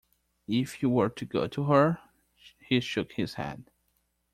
"If you were to go to her;" He shook his head.